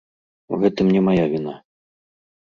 У гэтым не мая віна.